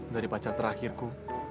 dari pacar terakhirku